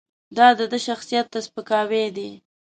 دا د ده شخصیت ته سپکاوی دی.